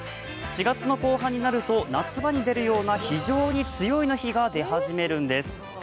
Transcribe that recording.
４月の後半になると夏場に出るような「非常に強い」が出るんです。